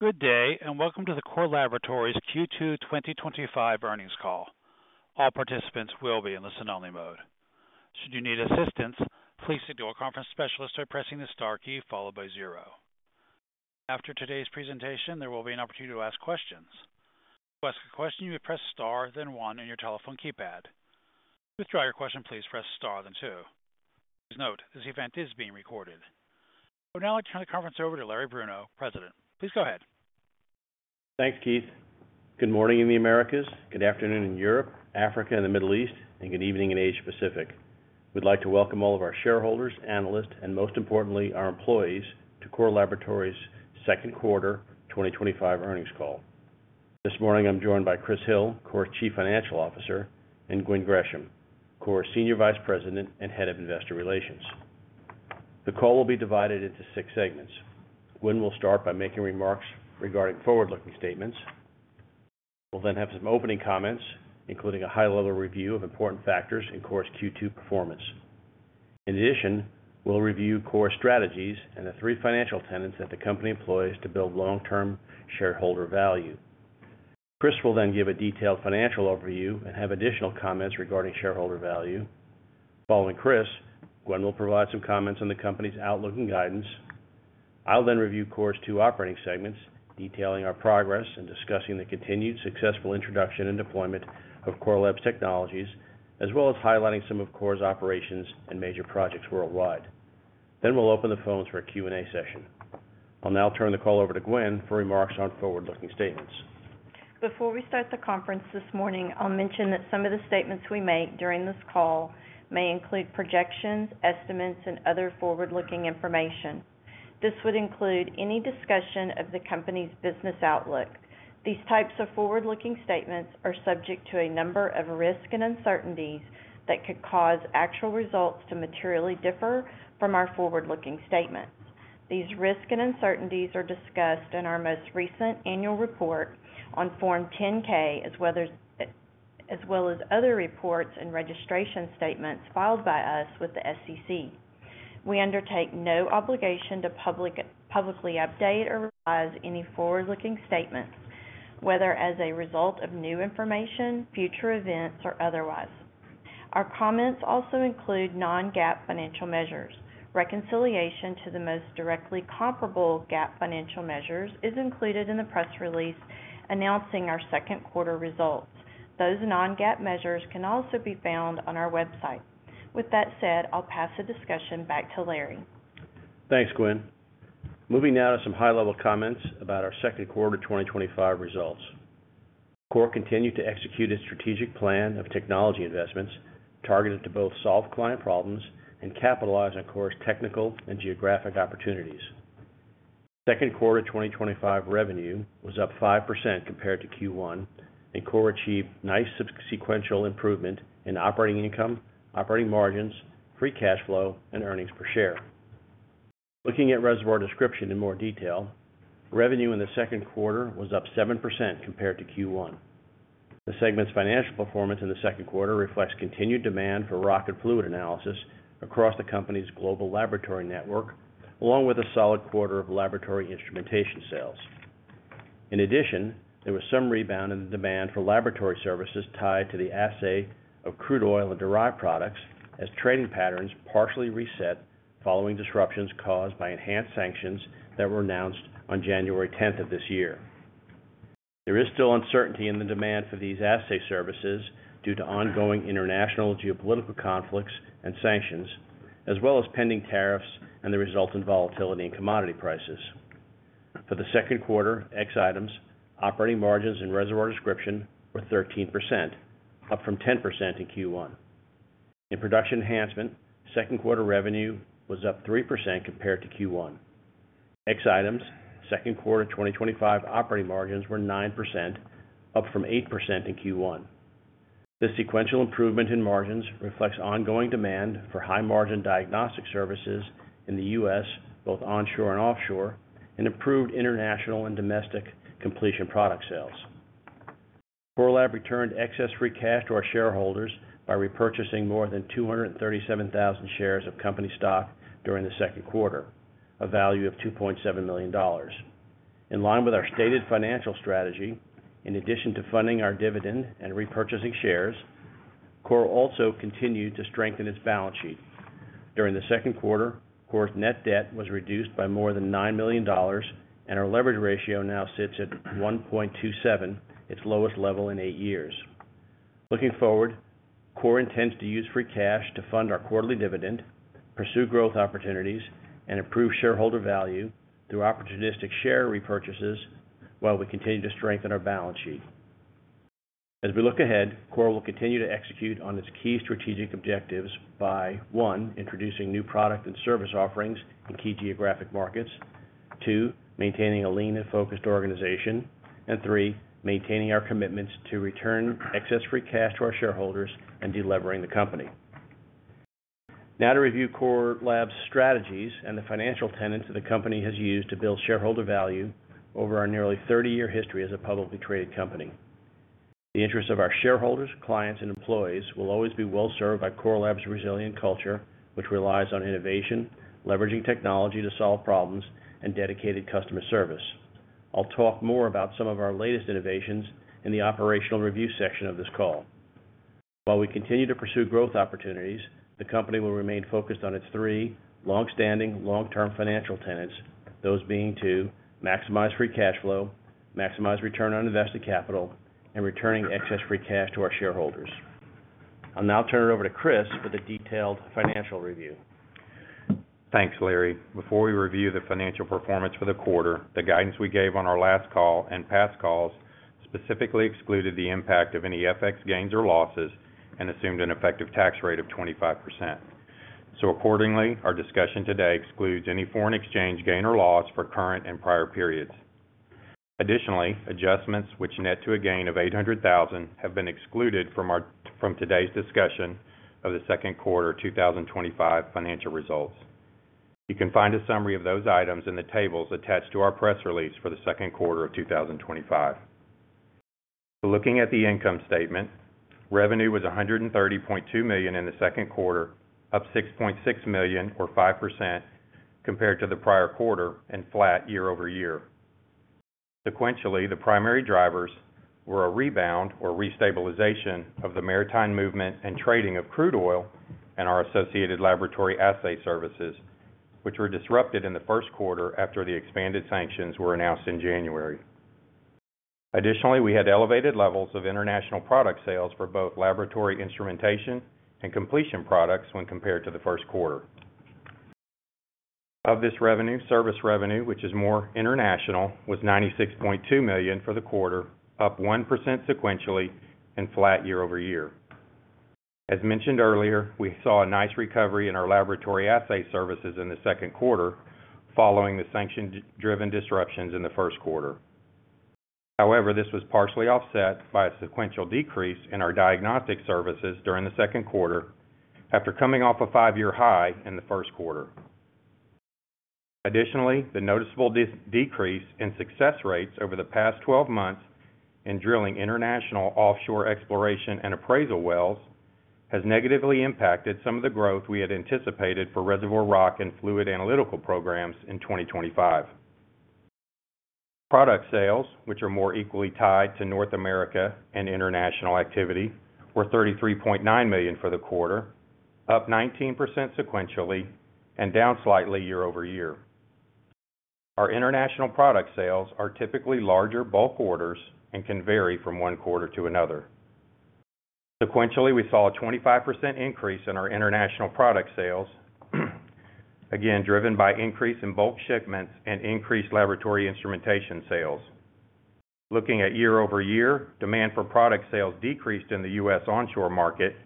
Good day and welcome to the Core Laboratories Q2 2025 earnings call. All participants will be in listen-only mode. Should you need assistance, please say to our conference specialist by pressing the star key followed by zero. After today's presentation, there will be an opportunity to ask questions. To ask a question, you may press star then one on your telephone keypad. To withdraw your question, please press star then two. Please note this event is being recorded. Now I'll turn the conference over to Larry Bruno, President. Please go ahead. Thanks, Keith. Good morning in the Americas, good afternoon in Europe, Africa, and the Middle East, and good evening in Asia-Pacific. We'd like to welcome all of our shareholders, analysts, and most importantly, our employees to Core Laboratories' second quarter 2025 earnings call. This morning, I'm joined by Chris Hill, Core's Chief Financial Officer, and Gwen Gresham, Core's Senior Vice President and Head of Investor Relations. The call will be divided into six segments. Gwen will start by making remarks regarding forward-looking statements. We'll then have some opening comments, including a high-level review of important factors in Core's Q2 performance. In addition, we'll review Core's strategies and the three financial tenets that the company employs to build long-term shareholder value. Chris will then give a detailed financial overview and have additional comments regarding shareholder value. Following Chris, Gwen will provide some comments on the company's outlook and guidance. I'll then review Core's two operating segments, detailing our progress and discussing the continued successful introduction and deployment of Core Labs Technologies, as well as highlighting some of Core's operations and major projects worldwide. We'll open the phones for a Q and A session. I'll now turn the call over to Gwen for remarks on forward-looking statements. Before we start the conference this morning, I'll mention that some of the statements we make during this call may include projections, estimates, and other forward-looking information. This would include any discussion of the company's business outlook. These types of forward-looking statements are subject to a number of risks and uncertainties that could cause actual results to materially differ from our forward-looking statements. These risks and uncertainties are discussed in our most recent annual report on Form 10-K, as well as other reports and registration statements filed by us with the SEC. We undertake no obligation to publicly update or revise any forward-looking statements, whether as a result of new information, future events, or otherwise. Our comments also include non-GAAP financial measures. Reconciliation to the most directly comparable GAAP financial measures is included in the press release announcing our second quarter results. Those non-GAAP measures can also be found on our website. With that said, I'll pass the discussion back to Larry. Thanks, Gwen. Moving now to some high-level comments about our Second Quarter 2025 results. Core continued to execute its strategic plan of technology investments targeted to both solve client problems and capitalize on Core's technical and geographic opportunities. Second Quarter 2025 revenue was up 5% compared to Q1, and Core achieved nice sequential improvement in operating income, operating margins, free cash flow, and earnings per share. Looking at Reservoir Description in more detail, revenue in the second quarter was up 7% compared to Q1. The segment's financial performance in the second quarter reflects continued demand for rock and fluid analysis across the company's global laboratory network, along with a solid quarter of laboratory instrumentation sales. In addition, there was some rebound in the demand for laboratory services tied to the assay of crude oil and derived products as trading patterns partially reset following disruptions caused by enhanced sanctions that were announced on January 10th of this year. There is still uncertainty in the demand for these assay services due to ongoing international geopolitical conflicts and sanctions, as well as pending tariffs and the resultant volatility in commodity prices. For the second quarter, excluding items, operating margins in Reservoir Description were 13%, up from 10% in Q1. In Production Enhancement, second quarter revenue was up 3% compared to Q1. Excluding items, second quarter 2025 operating margins were 9%, up from 8% in Q1. This sequential improvement in margins reflects ongoing demand for high-margin diagnostic services in the U.S., both onshore and offshore, and improved international and domestic completion product sales. Core Lab returned excess free cash to our shareholders by repurchasing more than 237,000 shares of company stock during the second quarter, a value of $2.7 million. In line with our stated financial strategy, in addition to funding our dividend and repurchasing shares, Core also continued to strengthen its balance sheet. During the second quarter, Core's net debt was reduced by more than $9 million, and our leverage ratio now sits at 1.27, its lowest level in eight years. Looking forward, Core intends to use free cash to fund our quarterly dividend, pursue growth opportunities, and improve shareholder value through opportunistic share repurchases while we continue to strengthen our balance sheet. As we look ahead, Core will continue to execute on its key strategic objectives by, one, introducing new product and service offerings in key geographic markets, two, maintaining a lean and focused organization, and three, maintaining our commitments to return excess free cash to our shareholders and delivering the company. Now to review Core Lab.'s strategies and the financial tenets that the company has used to build shareholder value over our nearly 30-year history as a publicly traded company. The interests of our shareholders, clients, and employees will always be well served by Core Lab's resilient culture, which relies on innovation, leveraging technology to solve problems, and dedicated customer service. I'll talk more about some of our latest innovations in the operational review section of this call. While we continue to pursue growth opportunities, the company will remain focused on its three longstanding long-term financial tenets, those being to maximize free cash flow, maximize return on invested capital, and returning excess free cash to our shareholders. I'll now turn it over to Chris for the detailed financial review. Thanks, Larry. Before we review the financial performance for the quarter, the guidance we gave on our last call and past calls specifically excluded the impact of any FX gains or losses and assumed an effective tax rate of 25%. Accordingly, our discussion today excludes any foreign exchange gain or loss for current and prior periods. Additionally, adjustments which net to a gain of $0.8 million have been excluded from today's discussion of the Second Quarter 2025 financial results. You can find a summary of those items in the tables attached to our press release for the second quarter of 2025. Looking at the income statement, revenue was $130.2 million in the second quarter, up $6.6 million or 5% compared to the prior quarter and flat year over year. Sequentially, the primary drivers were a rebound or restabilization of the maritime movement and trading of crude oil and our associated laboratory assay services, which were disrupted in the first quarter after the expanded sanctions were announced in January. Additionally, we had elevated levels of international product sales for both laboratory instrumentation and completion products when compared to the first quarter. Of this revenue, service revenue, which is more international, was $96.2 million for the quarter, up 1% sequentially and flat year over year. As mentioned earlier, we saw a nice recovery in our laboratory assay services in the second quarter following the sanction-driven disruptions in the first quarter. However, this was partially offset by a sequential decrease in our diagnostic services during the second quarter after coming off a five-year high in the first quarter. Additionally, the noticeable decrease in success rates over the past 12 months in drilling international offshore exploration and appraisal wells has negatively impacted some of the growth we had anticipated for reservoir rock and fluid analytical programs in 2025. Product sales, which are more equally tied to North America and international activity, were $33.9 million for the quarter, up 19% sequentially and down slightly year over year. Our international product sales are typically larger bulk orders and can vary from one quarter to another. Sequentially, we saw a 25% increase in our international product sales, again driven by increase in bulk shipments and increased laboratory instrumentation sales. Looking at year over year, demand for product sales decreased in the U.S. onshore market.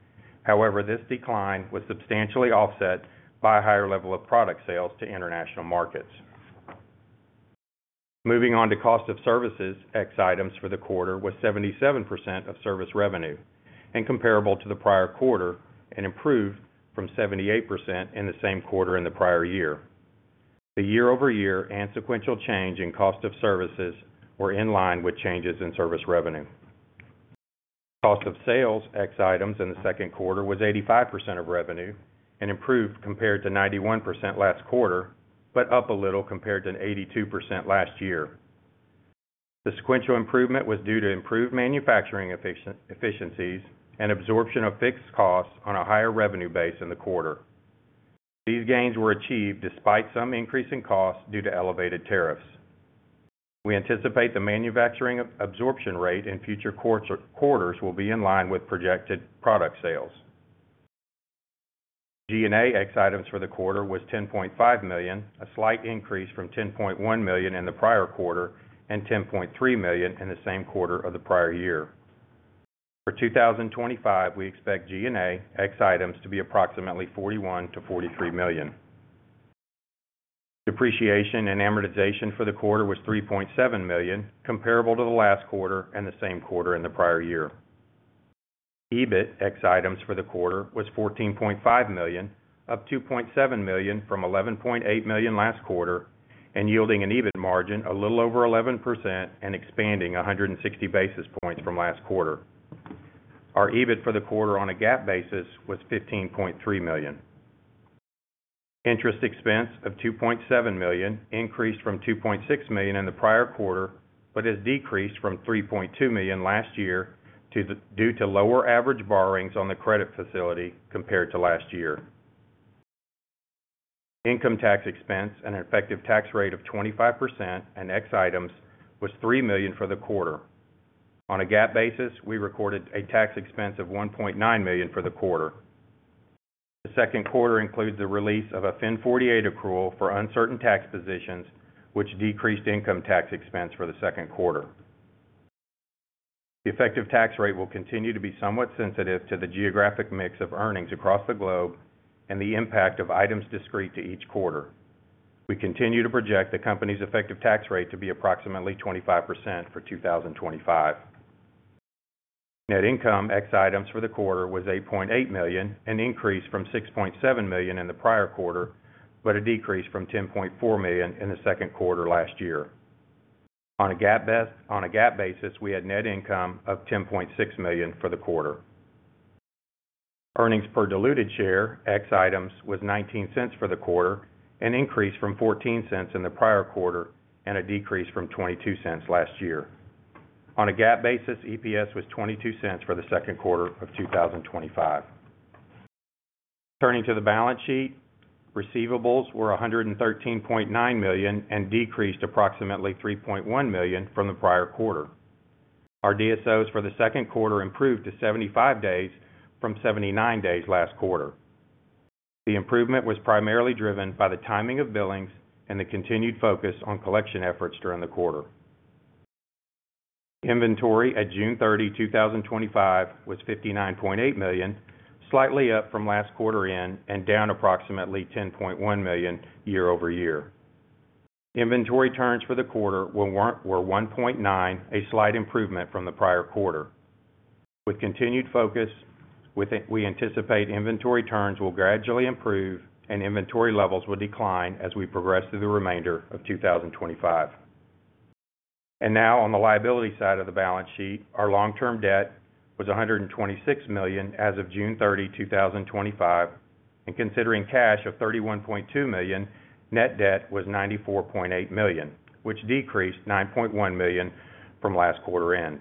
However, this decline was substantially offset by a higher level of product sales to international markets. Moving on to cost of services, X items for the quarter was 77% of service revenue and comparable to the prior quarter and improved from 78% in the same quarter in the prior year. The year-over-year and sequential change in cost of services were in line with changes in service revenue. Cost of sales, X items in the second quarter was 85% of revenue and improved compared to 91% last quarter, but up a little compared to 82% last year. The sequential improvement was due to improved manufacturing efficiencies and absorption of fixed costs on a higher revenue base in the quarter. These gains were achieved despite some increase in costs due to elevated tariffs. We anticipate the manufacturing absorption rate in future quarters will be in line with projected product sales. G&A, X items for the quarter was $10.5 million, a slight increase from $10.1 million in the prior quarter and $10.3 million in the same quarter of the prior year. For 2025, we expect G&A, X items to be approximately $41-$43 million. Depreciation and amortization for the quarter was $3.7 million, comparable to the last quarter and the same quarter in the prior year. EBIT, X items for the quarter was $14.5 million, up $2.7 million from $11.8 million last quarter and yielding an EBIT margin a little over 11% and expanding 160 basis points from last quarter. Our EBIT for the quarter on a GAAP basis was $15.3 million. Interest expense of $2.7 million increased from $2.6 million in the prior quarter, but has decreased from $3.2 million last year due to lower average borrowings on the credit facility compared to last year. Income tax expense and an effective tax rate of 25% on X items was $3 million for the quarter. On a GAAP basis, we recorded a tax expense of $1.9 million for the quarter. The second quarter includes the release of a FIN 48 accrual for uncertain tax positions, which decreased income tax expense for the second quarter. The effective tax rate will continue to be somewhat sensitive to the geographic mix of earnings across the globe and the impact of items discrete to each quarter. We continue to project the company's effective tax rate to be approximately 25% for 2025. Net income, X items for the quarter was $8.8 million, an increase from $6.7 million in the prior quarter, but a decrease from $10.4 million in the second quarter last year. On a GAAP basis, we had net income of $10.6 million for the quarter. Earnings per diluted share, X items, was $0.19 for the quarter, an increase from $0.14 in the prior quarter and a decrease from $0.22 last year. On a GAAP basis, EPS was $0.22 for the second quarter of 2025. Turning to the balance sheet, receivables were $113.9 million and decreased approximately $3.1 million from the prior quarter. Our DSOs for the second quarter improved to 75 days from 79 days last quarter. The improvement was primarily driven by the timing of billings and the continued focus on collection efforts during the quarter. Inventory at June 30, 2025, was $59.8 million, slightly up from last quarter end and down approximately $10.1 million year over year. Inventory turns for the quarter were 1.9, a slight improvement from the prior quarter. With continued focus, we anticipate inventory turns will gradually improve and inventory levels will decline as we progress through the remainder of 2025. Now on the liability side of the balance sheet, our long-term debt was $126 million as of June 30, 2025, and considering cash of $31.2 million, net debt was $94.8 million, which decreased $9.1 million from last quarter end.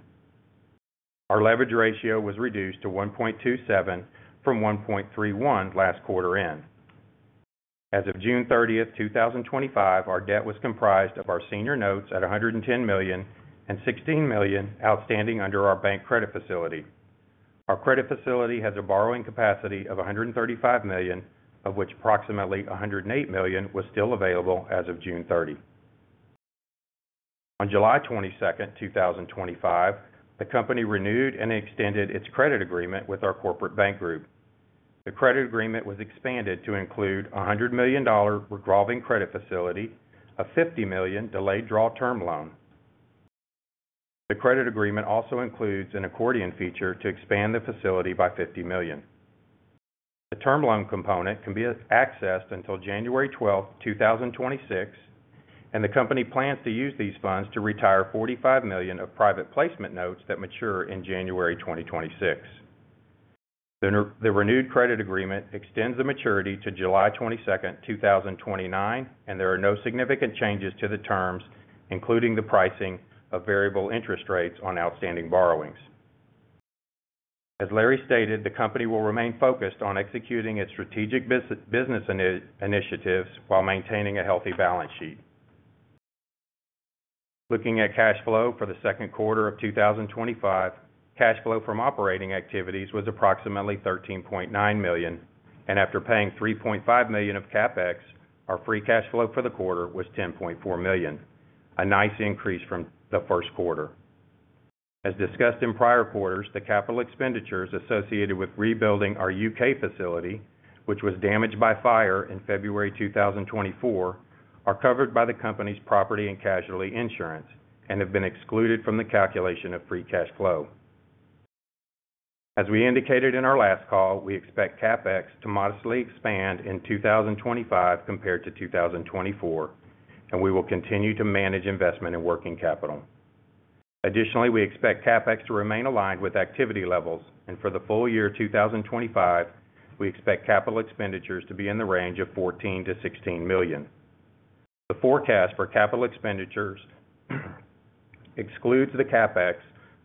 Our leverage ratio was reduced to 1.27 from 1.31 last quarter end. As of June 30th, 2025, our debt was comprised of our senior notes at $110 million and $16 million outstanding under our bank credit facility. Our credit facility has a borrowing capacity of $135 million, of which approximately $108 million was still available as of June 30. On July 22nd, 2025, the company renewed and extended its credit agreement with our corporate bank group. The credit agreement was expanded to include a $100 million revolving credit facility and a $50 million delayed draw term loan. The credit agreement also includes an accordion feature to expand the facility by $50 million. The term loan component can be accessed until January 12th, 2026, and the company plans to use these funds to retire $45 million of private placement notes that mature in January 2026. The renewed credit agreement extends the maturity to July 22nd, 2029, and there are no significant changes to the terms, including the pricing of variable interest rates on outstanding borrowings. As Larry stated, the company will remain focused on executing its strategic business initiatives while maintaining a healthy balance sheet. Looking at cash flow for the second quarter of 2025, cash flow from operating activities was approximately $13.9 million, and after paying $3.5 million of CapEx, our free cash flow for the quarter was $10.4 million, a nice increase from the first quarter. As discussed in prior quarters, the capital expenditures associated with rebuilding our U.K. facility, which was damaged by fire in February 2024, are covered by the company's property and casualty insurance and have been excluded from the calculation of free cash flow. As we indicated in our last call, we expect CapEx to modestly expand in 2025 compared to 2024, and we will continue to manage investment in working capital. Additionally, we expect CapEx to remain aligned with activity levels, and for the full year 2025, we expect capital expenditures to be in the range of $14-$16 million. The forecast for capital expenditures excludes the CapEx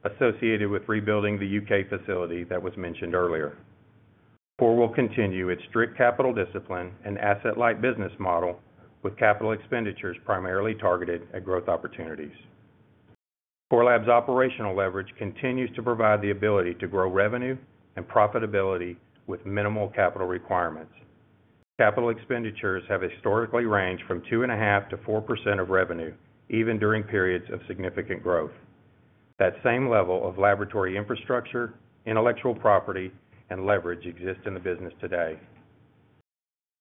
associated with rebuilding the UK facility that was mentioned earlier. Core will continue its strict capital discipline and asset-light business model with capital expenditures primarily targeted at growth opportunities. Core Lab's operational leverage continues to provide the ability to grow revenue and profitability with minimal capital requirements. Capital expenditures have historically ranged from 2.5%-4% of revenue, even during periods of significant growth. That same level of laboratory infrastructure, intellectual property, and leverage exists in the business today.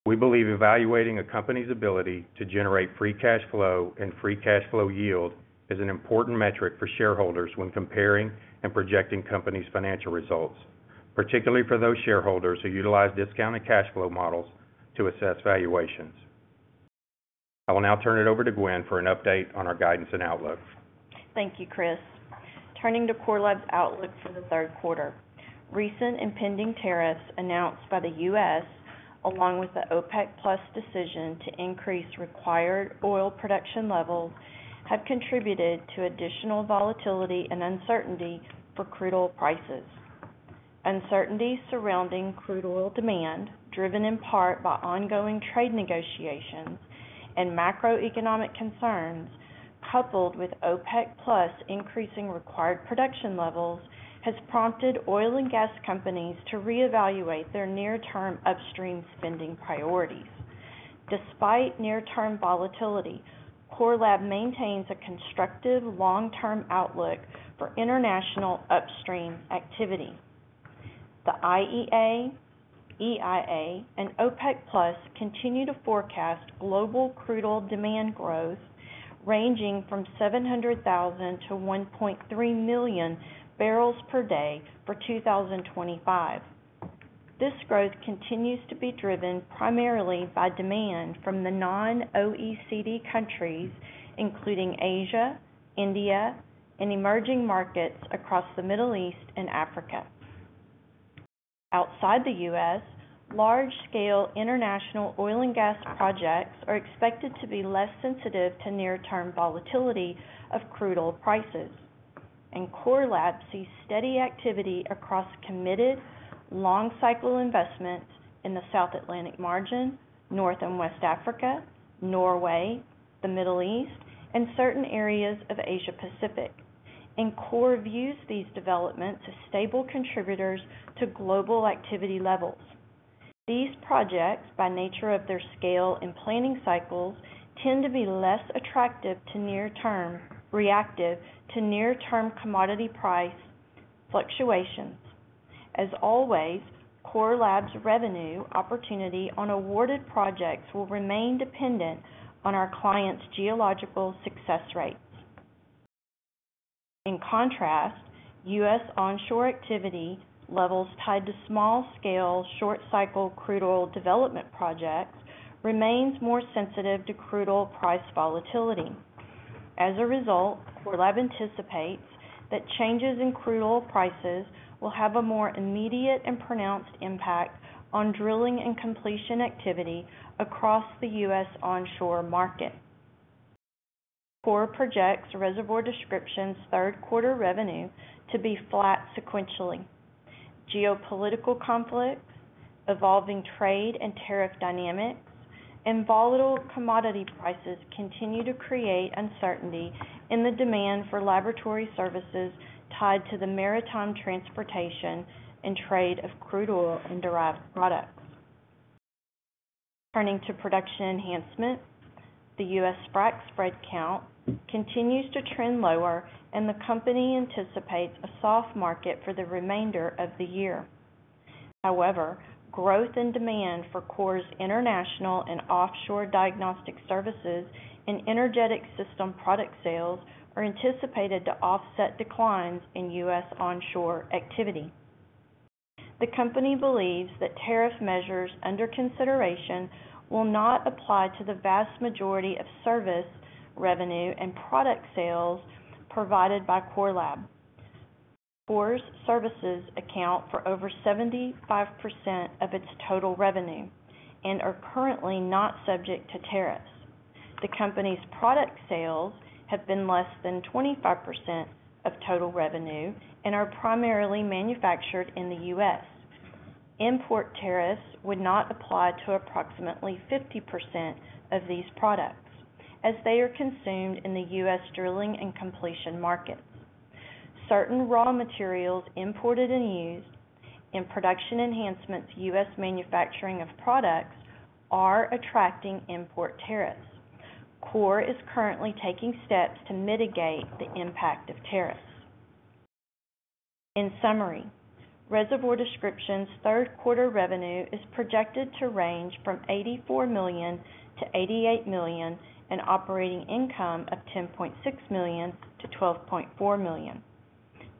We believe evaluating a company's ability to generate free cash flow and free cash flow yield is an important metric for shareholders when comparing and projecting companies' financial results, particularly for those shareholders who utilize discounted cash flow models to assess valuations. I will now turn it over to Gwen for an update on our guidance and outlook. Thank you, Chris. Turning to Core Lab's outlook for the third quarter, recent impending tariffs announced by the U.S., along with the OPEC Plus decision to increase required oil production levels, have contributed to additional volatility and uncertainty for crude oil prices. Uncertainty surrounding crude oil demand, driven in part by ongoing trade negotiations and macroeconomic concerns, coupled with OPEC Plus increasing required production levels, has prompted oil and gas companies to reevaluate their near-term upstream spending priorities. Despite near-term volatility, Core Lab maintains a constructive long-term outlook for international upstream activity. The IEA, EIA, and OPEC Plus continue to forecast global crude oil demand growth ranging from 700,000-1.3 million barrels per day for 2025. This growth continues to be driven primarily by demand from the non-OECD countries, including Asia, India, and emerging markets across the Middle East and Africa. Outside the U.S., large-scale international oil and gas projects are expected to be less sensitive to near-term volatility of crude oil prices, and Core Lab sees steady activity across committed long-cycle investments in the South Atlantic margin, North and West Africa, Norway, the Middle East, and certain areas of Asia-Pacific, and Core views these developments as stable contributors to global activity levels. These projects, by nature of their scale and planning cycles, tend to be less attractive to near-term commodity price fluctuations. As always, Core Laboratories Inc.'s revenue opportunity on awarded projects will remain dependent on our client's geological success rates. In contrast, U.S. onshore activity levels tied to small-scale short-cycle crude oil development projects remain more sensitive to crude oil price volatility. As a result, Core Lab anticipates that changes in crude oil prices will have a more immediate and pronounced impact on drilling and completion activity across the U.S. onshore market. Core projects Reservoir Description's third quarter revenue to be flat sequentially. Geopolitical conflicts, evolving trade and tariff dynamics, and volatile commodity prices continue to create uncertainty in the demand for laboratory services tied to the maritime transportation and trade of crude oil and derived products. Turning to Production Enhancements, the U.S. frac spread count continues to trend lower, and the company anticipates a soft market for the remainder of the year. However, growth in demand for Core's international and offshore diagnostic services and energetic perforating solutions product sales are anticipated to offset declines in U.S. onshore activity. The company believes that tariff measures under consideration will not apply to the vast majority of service revenue and product sales provided by Core Lab. Core's services account for over 75% of its total revenue and are currently not subject to tariffs. The company's product sales have been less than 25% of total revenue and are primarily manufactured in the U.S. Import tariffs would not apply to approximately 50% of these products, as they are consumed in the U.S. drilling and completion markets. Certain raw materials imported and used in Production Enhancements U.S. manufacturing of products are attracting import tariffs. Core Laboratories Inc. is currently taking steps to mitigate the impact of tariffs. In summary, Reservoir Description's third quarter revenue is projected to range from $84 million-$88 million and operating income of $10.6 million-$12.4 million.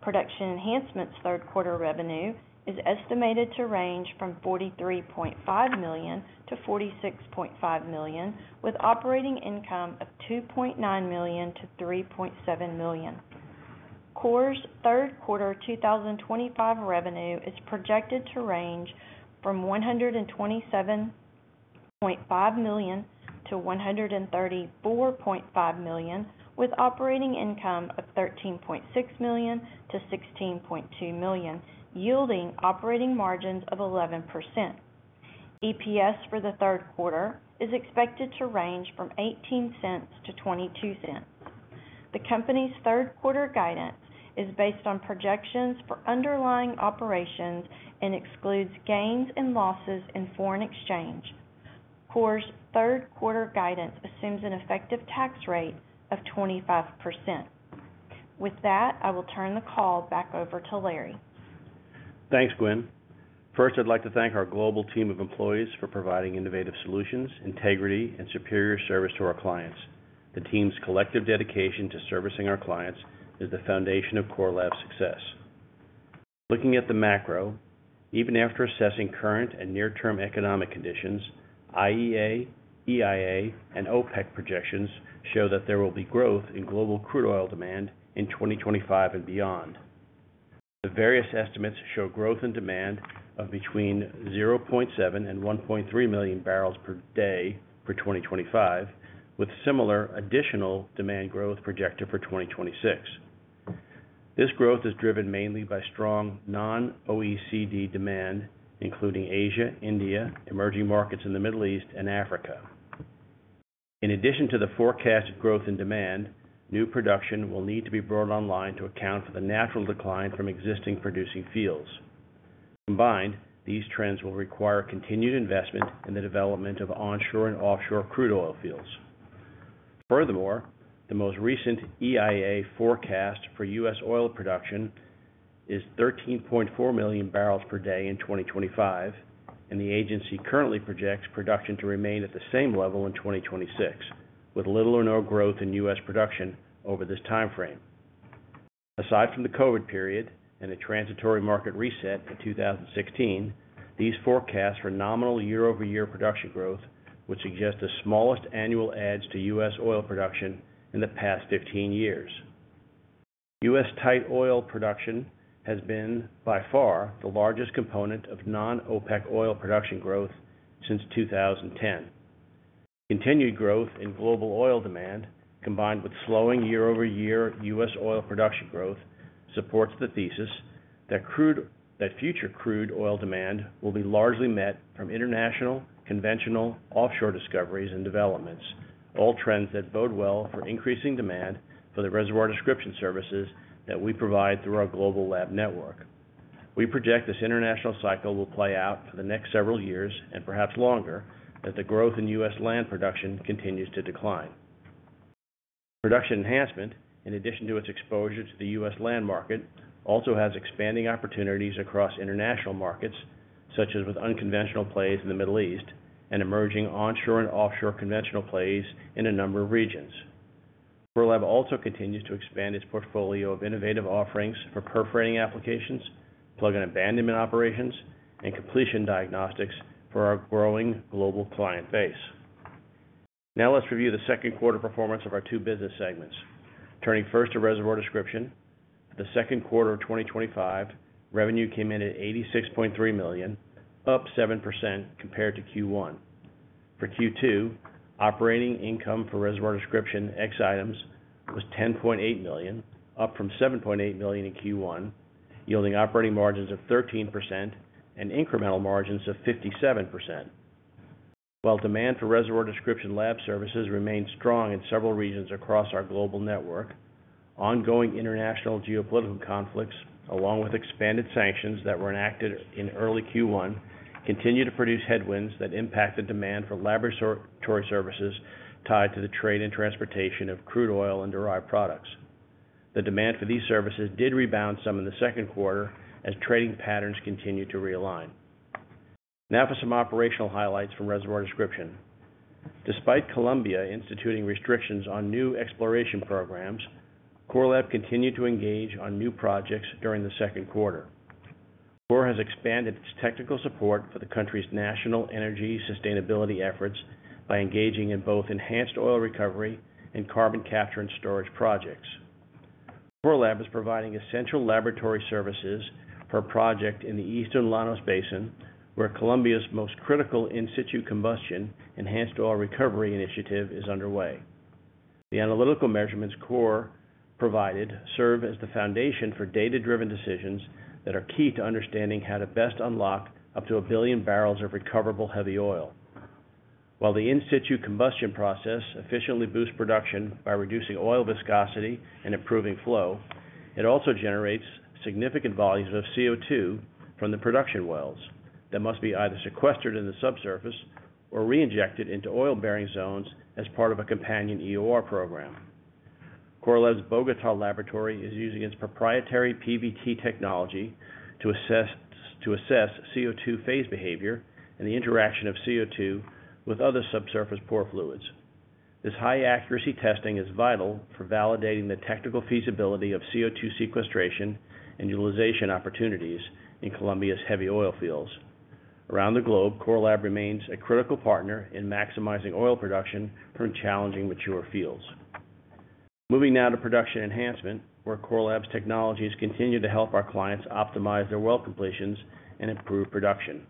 Production Enhancement's third quarter revenue is estimated to range from $43.5 million-$46.5 million, with operating income of $2.9 million-$3.7 million. Core Laboratories Inc.'s third quarter 2025 revenue is projected to range from $127.5 million-$134.5 million, with operating income of $13.6 million-$16.2 million, yielding operating margins of 11%. EPS for the third quarter is expected to range from $0.18-$0.22. The company's third quarter guidance is based on projections for underlying operations and excludes gains and losses in foreign exchange. Core Laboratories Inc.'s third quarter guidance assumes an effective tax rate of 25%. With that, I will turn the call back over to Larry. Thanks, Gwen. First, I'd like to thank our global team of employees for providing innovative solutions, integrity, and superior service to our clients. The team's collective dedication to servicing our clients is the foundation of Core Lab's success. Looking at the macro, even after assessing current and near-term economic conditions, IEA, EIA, and OPEC projections show that there will be growth in global crude oil demand in 2025 and beyond. The various estimates show growth in demand of between 0.7 and 1.3 million barrels per day for 2025, with similar additional demand growth projected for 2026. This growth is driven mainly by strong non-OECD demand, including Asia, India, emerging markets in the Middle East, and Africa. In addition to the forecasted growth in demand, new production will need to be brought on line to account for the natural decline from existing producing fields. Combined, these trends will require continued investment in the development of onshore and offshore crude oil fields. Furthermore, the most recent EIA forecast for U.S. oil production is 13.4 million barrels per day in 2025, and the agency currently projects production to remain at the same level in 2026, with little or no growth in U.S. production over this timeframe. Aside from the COVID period and a transitory market reset in 2016, these forecasts for nominal year-over-year production growth would suggest the smallest annual edge to U.S. oil production in the past 15 years. U.S. tight oil production has been by far the largest component of non-OPEC oil production growth since 2010. Continued growth in global oil demand, combined with slowing year-over-year U.S. oil production growth, supports the thesis that future crude oil demand will be largely met from international conventional offshore discoveries and developments, all trends that bode well for increasing demand for the Reservoir Description services that we provide through our global lab network. We project this international cycle will play out for the next several years and perhaps longer as the growth in U.S. land production continues to decline. Production Enhancement, in addition to its exposure to the U.S. land market, also has expanding opportunities across international markets, such as with unconventional plays in the Middle East and emerging onshore and offshore conventional plays in a number of regions. Core Lab also continues to expand its portfolio of innovative offerings for perforating applications, plug and abandonment operations, and completion diagnostics for our growing global client base. Now let's review the second quarter performance of our two business segments. Turning first to Reservoir Description, the second quarter of 2025, revenue came in at $86.3 million, up 7% compared to Q1. For Q2, operating income for Reservoir Description ex items was $10.8 million, up from $7.8 million in Q1, yielding operating margins of 13% and incremental margins of 57%. While demand for Reservoir Description laboratory services remains strong in several regions across our global network, ongoing international geopolitical conflicts, along with expanded sanctions that were enacted in early Q1, continue to produce headwinds that impact the demand for laboratory services tied to the trade and transportation of crude oil and derived products. The demand for these services did rebound some in the second quarter as trading patterns continue to realign. Now for some operational highlights from Reservoir Description. Despite Colombia instituting restrictions on new exploration programs, Core Lab continued to engage on new projects during the second quarter. Core Laboratories Inc. has expanded its technical support for the country's national energy sustainability efforts by engaging in both enhanced oil recovery and carbon capture and storage projects. Core Lab is providing essential laboratory services for a project in the eastern Llanos Basin, where Colombia's most critical in-situ combustion enhanced oil recovery initiative is underway. The analytical measurements Core provided serve as the foundation for data-driven decisions that are key to understanding how to best unlock up to a billion barrels of recoverable heavy oil. While the in-situ combustion process efficiently boosts production by reducing oil viscosity and improving flow, it also generates significant volumes of CO2 from the production wells that must be either sequestered in the subsurface or reinjected into oil-bearing zones as part of a companion EOR program. Core Lab's Bogotá Laboratory is using its proprietary PVT technology to assess CO2 phase behavior and the interaction of CO2 with other subsurface pore fluids. This high-accuracy testing is vital for validating the technical feasibility of CO2 sequestration and utilization opportunities in Colombia's heavy oil fields. Around the globe, Core Lab remains a critical partner in maximizing oil production from challenging mature fields. Moving now to Production Enhancement, where Core Lab's technologies continue to help our clients optimize their oil completions and improve production.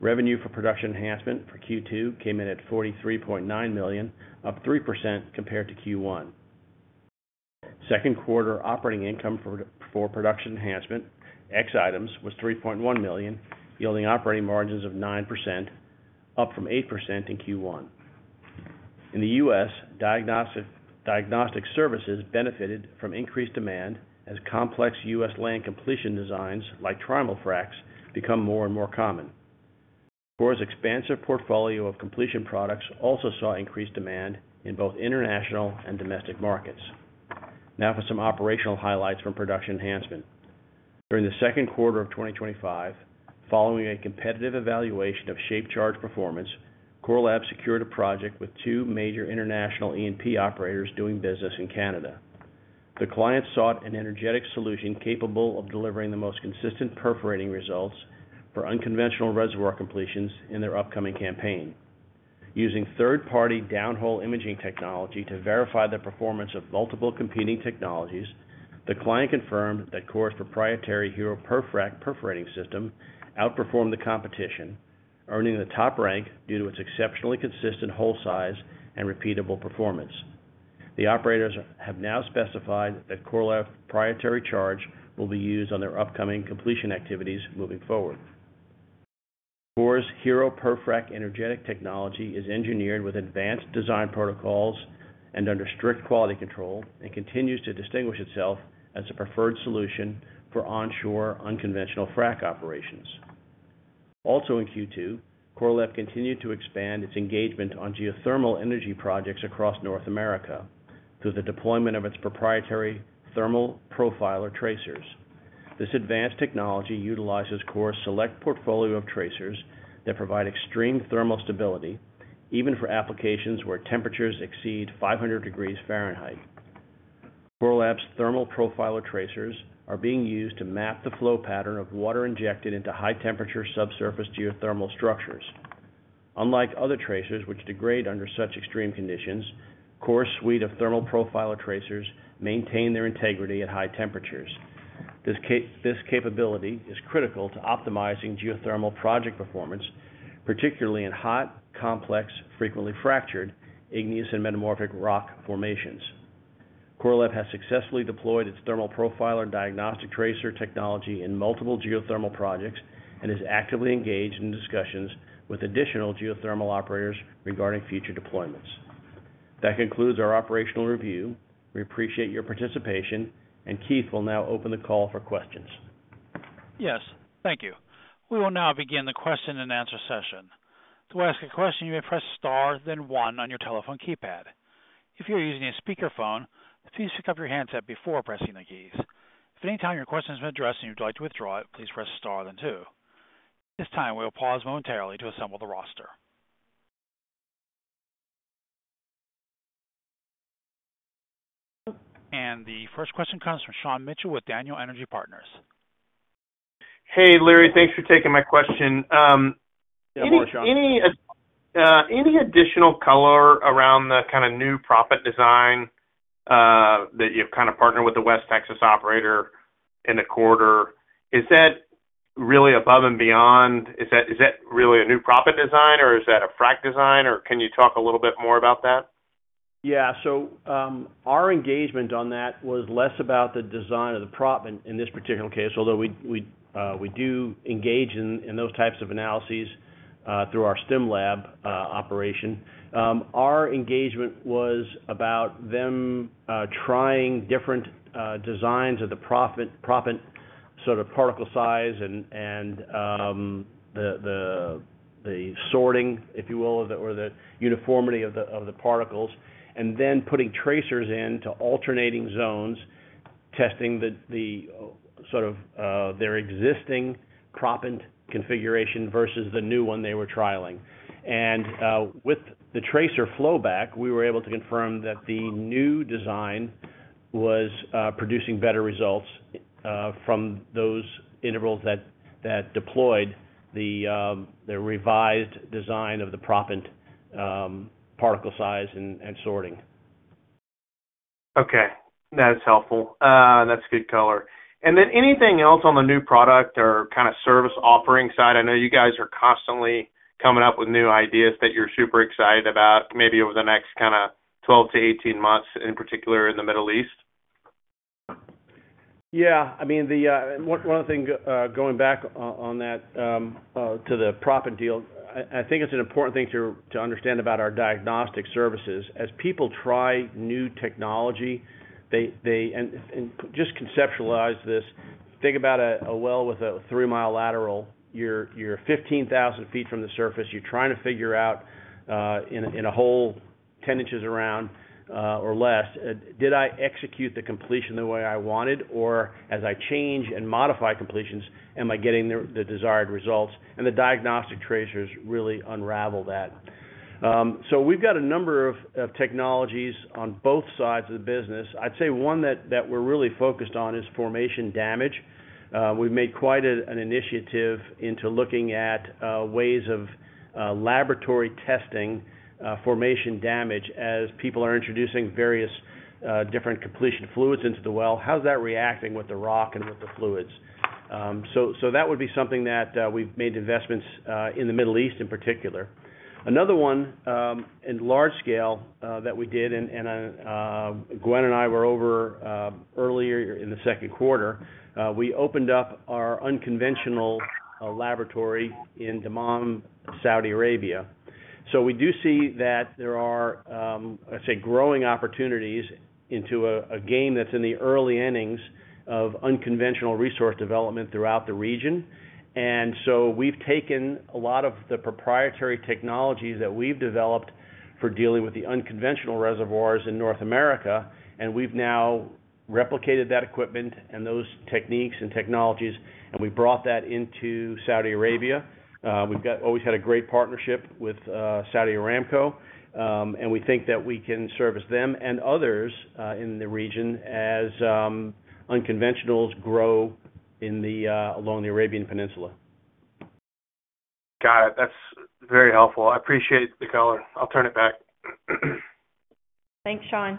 Revenue for Production Enhancement for Q2 came in at $43.9 million, up 3% compared to Q1. Second quarter operating income for Production Enhancement excluding items was $3.1 million, yielding operating margins of 9%, up from 8% in Q1. In the U.S., diagnostic services benefited from increased demand as complex U.S. land completion designs like trimal fracks become more and more common. Core's expansive portfolio of completion products also saw increased demand in both international and domestic markets. Now for some operational highlights from Production Enhancement. During the second quarter of 2025, following a competitive evaluation of shaped charge performance, Core Laboratories Inc. secured a project with two major international E&P operators doing business in Canada. The clients sought an energetic solution capable of delivering the most consistent perforating results for unconventional reservoir completions in their upcoming campaign. Using third-party downhole imaging technology to verify the performance of multiple competing technologies, the client confirmed that Core's proprietary HERO PerFRAC perforating system outperformed the competition, earning the top rank due to its exceptionally consistent hole size and repeatable performance. The operators have now specified that Core Lab's proprietary charge will be used on their upcoming completion activities moving forward. Core's HERO PerFRAC perforating system energetic technology is engineered with advanced design protocols and under strict quality control and continues to distinguish itself as a preferred solution for onshore unconventional frac operations. Also in Q2, Core Laboratories Inc. continued to expand its engagement on geothermal energy projects across North America through the deployment of its proprietary thermal profiler tracers. This advanced technology utilizes Core Laboratories Inc.'s select portfolio of tracers that provide extreme thermal stability, even for applications where temperatures exceed 500 degrees Fahrenheit. Core Laboratories Inc.'s thermal profiler tracers are being used to map the flow pattern of water injected into high-temperature subsurface geothermal structures. Unlike other tracers which degrade under such extreme conditions, Core's suite of thermal profiler tracers maintains their integrity at high temperatures. This capability is critical to optimizing geothermal project performance, particularly in hot, complex, frequently fractured, igneous, and metamorphic rock formations. Core Lab has successfully deployed its thermal profiler diagnostic tracer technology in multiple geothermal projects and is actively engaged in discussions with additional geothermal operators regarding future deployments. That concludes our operational review. We appreciate your participation, and Keith will now open the call for questions. Yes, thank you. We will now begin the question and answer session. To ask a question, you may press star then one on your telephone keypad. If you're using a speakerphone, please pick up your headset before pressing the keys. If at any time your question is misaddressed and you'd like to withdraw it, please press star then two. At this time, we'll pause momentarily to assemble the roster. The first question comes from Sean Mitchell with Daniel Energy Partners. Hey, Larry, thanks for taking my question. Yeah, of course, Sean. Any additional color around the kind of new proppant design that you've kind of partnered with the West Texas operator in the quarter? Is that really above and beyond? Is that really a new proppant design or is that a frac design? Can you talk a little bit more about that? Our engagement on that was less about the design of the proppant in this particular case, although we do engage in those types of analyses through our Stim-Lab operation. Our engagement was about them trying different designs of the proppant, proppant sort of particle size and the sorting, if you will, or the uniformity of the particles, and then putting tracers into alternating zones, testing the sort of their existing proppant configuration versus the new one they were trialing. With the tracer flowback, we were able to confirm that the new design was producing better results from those intervals that deployed their revised design of the proppant particle size and sorting. Okay, that's helpful. That's good color. Anything else on the new product or kind of service offering side? I know you guys are constantly coming up with new ideas that you're super excited about, maybe over the next kind of 12-18 months, in particular in the Middle East. Yeah, I mean, one of the things going back on that to the proppant deal, I think it's an important thing to understand about our diagnostic services. As people try new technology, they just conceptualize this. Think about a well with a three-mile lateral. You're 15,000 ft from the surface. You're trying to figure out in a hole 10 in around or less, did I execute the completion the way I wanted or as I change and modify completions, am I getting the desired results? The diagnostic tracers really unravel that. We've got a number of technologies on both sides of the business. I'd say one that we're really focused on is formation damage. We've made quite an initiative into looking at ways of laboratory testing formation damage as people are introducing various different completion fluids into the well. How's that reacting with the rock and with the fluids? That would be something that we've made investments in the Middle East in particular. Another one in large scale that we did, and Gwen Gresham and I were over earlier in the second quarter, we opened up our unconventional laboratory in Dammam, Saudi Arabia. We do see that there are, I'd say, growing opportunities into a game that's in the early innings of unconventional resource development throughout the region. We've taken a lot of the proprietary technologies that we've developed for dealing with the unconventional reservoirs in North America, and we've now replicated that equipment and those techniques and technologies, and we brought that into Saudi Arabia. We've always had a great partnership with Saudi Aramco, and we think that we can service them and others in the region as unconventionals grow along the Arabian Peninsula. Got it. That's very helpful. I appreciate the color. I'll turn it back. Thanks, Sean.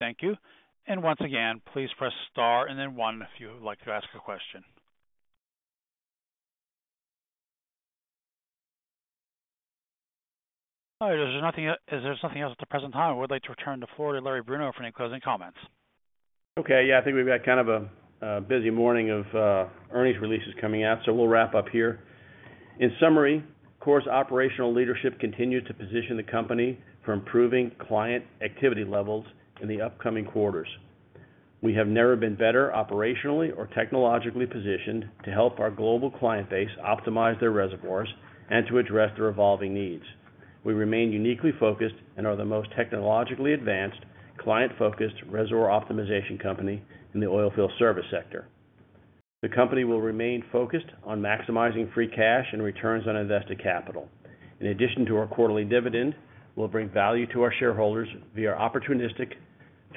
Thank you. Once again, please press star and then one if you would like to ask a question. All right, if there is nothing else at the present time, I would like to return the floor to Larry Bruno for any closing comments. Okay, yeah, I think we've got kind of a busy morning of earnings releases coming out, so we'll wrap up here. In summary, Core's operational leadership continued to position the company for improving client activity levels in the upcoming quarters. We have never been better operationally or technologically positioned to help our global client base optimize their reservoirs and to address their evolving needs. We remain uniquely focused and are the most technologically advanced client-focused reservoir optimization company in the oilfield service sector. The company will remain focused on maximizing free cash and returns on invested capital. In addition to our quarterly dividend, we'll bring value to our shareholders via opportunities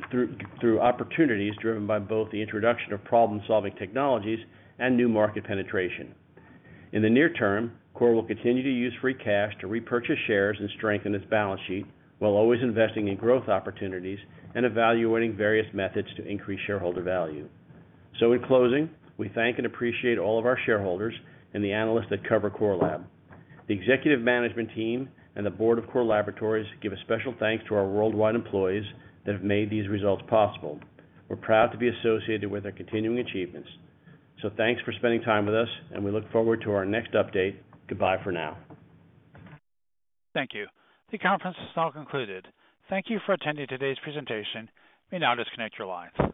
driven by both the introduction of problem-solving technologies and new market penetration. In the near term, Core will continue to use free cash to repurchase shares and strengthen its balance sheet while always investing in growth opportunities and evaluating various methods to increase shareholder value. In closing, we thank and appreciate all of our shareholders and the analysts that cover Core Lab. The executive management team and the board of Core Laboratories give a special thanks to our worldwide employees that have made these results possible. We're proud to be associated with our continuing achievements. Thanks for spending time with us, and we look forward to our next update. Goodbye for now. Thank you. The conference is now concluded. Thank you for attending today's presentation. We now disconnect your lines.